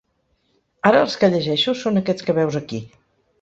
Ara els que llegeixo són aquests que veus aquí.